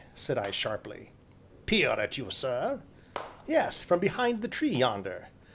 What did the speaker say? said I sharply. "Peer at you, sir?" "Yes, from behind the tree, yonder."